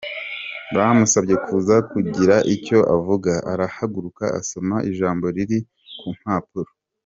Bamusabye kuza kugira icyo avuga arahaguruka asoma ijambo riri ku mpapuro.